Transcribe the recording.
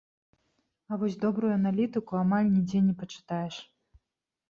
А вось добрую аналітыку амаль нідзе не пачытаеш.